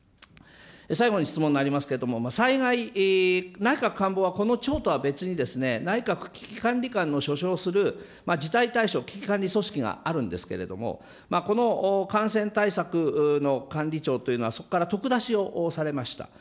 最後の質問になりますけれども、災害、内閣官房はこの庁とは別に、内閣危機管理官の所掌する事態対処危機管理組織があるんですけれども、この感染対策の管理庁というのは、そこからとく出しをされました。